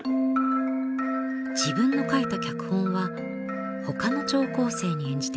自分の書いた脚本は他の聴講生に演じてもらいます。